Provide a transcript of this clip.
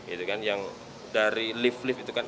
itu kan yang dari lift lift itu kan